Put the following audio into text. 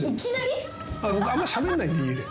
あんましゃべんないんで家で。